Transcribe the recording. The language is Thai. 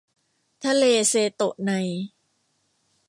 ทะเลเซโตะใน